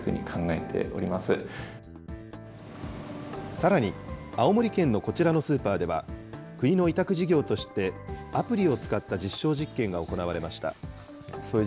さらに青森県のこちらのスーパーでは、国の委託事業として、アプリを使った実証実験が行われました。